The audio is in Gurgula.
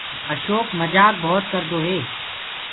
اشوڪ مجآ مجآڪ بهوت ڪردو هي۔